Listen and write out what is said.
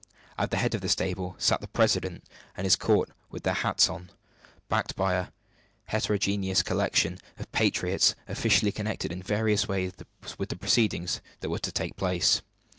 At the head of this table sat the president and his court, with their hats on, backed by a heterogeneous collection of patriots officially connected in various ways with the proceedings that were to take place.